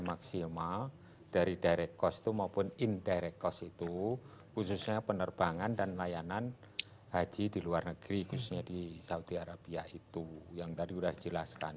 maksimal dari direct cost itu maupun indirect cost itu khususnya penerbangan dan layanan haji di luar negeri khususnya di saudi arabia itu yang tadi sudah dijelaskan